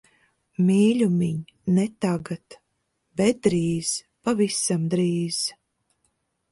Mīļumiņ, ne tagad. Bet drīz, pavisam drīz.